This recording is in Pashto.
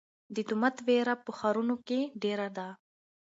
د تومت وېره په ښارونو کې ډېره ده.